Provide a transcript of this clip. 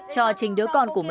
cho trình đứa con của mẹ